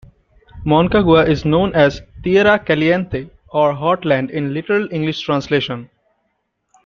Moncagua is known as "tierra caliente" or "hot land" in literal English translation.